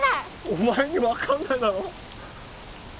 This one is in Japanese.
お前にわかんないだろ？